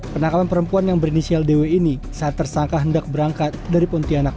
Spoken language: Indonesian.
penangkapan perempuan yang berinisial dw ini saat tersangka hendak berangkat dari pontianak